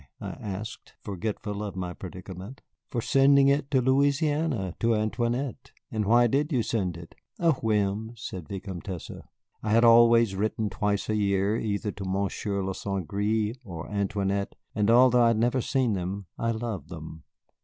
I asked, forgetful of my predicament. "For sending it to Louisiana, to Antoinette." "And why did you send it?" "A whim," said the Vicomtesse. "I had always written twice a year either to Monsieur de St. Gré or Antoinette, and although I had never seen them, I loved them.